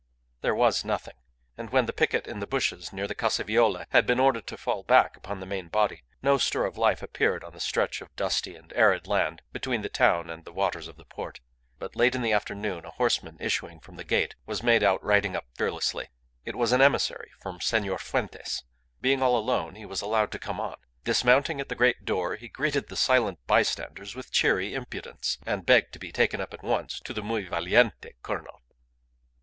There was nothing. And when the picket in the bushes near the Casa Viola had been ordered to fall back upon the main body, no stir of life appeared on the stretch of dusty and arid land between the town and the waters of the port. But late in the afternoon a horseman issuing from the gate was made out riding up fearlessly. It was an emissary from Senor Fuentes. Being all alone he was allowed to come on. Dismounting at the great door he greeted the silent bystanders with cheery impudence, and begged to be taken up at once to the "muy valliente" colonel.